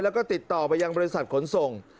แล้วก็ติดต่อไปยังบริษัทขนส่ง